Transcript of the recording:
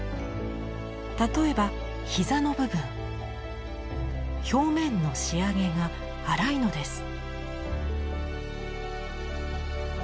例えば膝の部分表面の仕上げが粗いのです。